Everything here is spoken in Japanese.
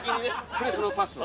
プレスのパスを。